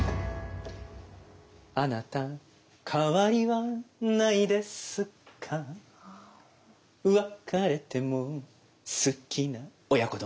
「あなたかわりはないですか」「別れても好きな親子丼」